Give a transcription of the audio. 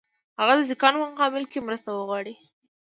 هغه د سیکهانو په مقابل کې مرسته وغواړي.